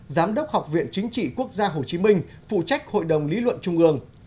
giám đốc học viện chính trị quốc gia hồ chí minh phụ trách hội đồng lý luận trung ương